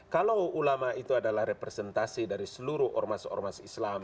kalau ulama itu adalah representasi dari seluruh ormas ormas islam